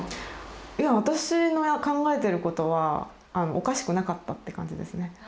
いや私の考えてることはおかしくなかったって感じですね。